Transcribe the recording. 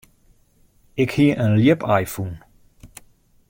Ik hie in ljipaai fûn.